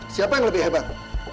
siapa yang lebih hebat